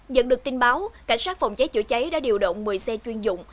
nhận được tin báo cảnh sát phòng cháy chữa cháy đã điều động một mươi xe chuyên dụng